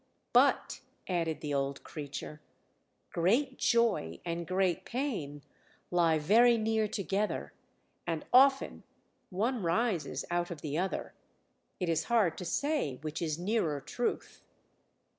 "but," added the old creature, "great joy and great pain lie very near together, and often one rises out of the other; it is hard to say which is nearer truth.